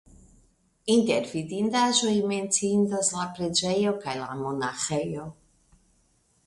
Inter vidindaĵoj menciindas la preĝejo kaj la monaĥejo.